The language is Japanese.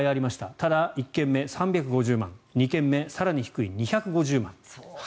ただ、１件目は３５０万２件目、更に低い２５０万。